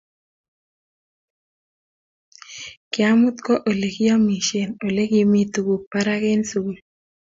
kiamut kwo ole kiamishe ole kimi tuguk barak eng sugul